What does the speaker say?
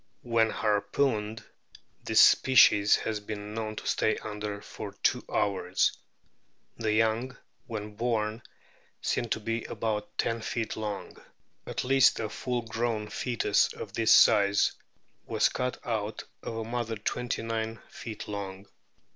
When harpooned this species has been known to stay under for two hours. The young when born seem to be about ten feet long ; at least a full grown foetus of this size was cut out of a mother twenty nine feet long.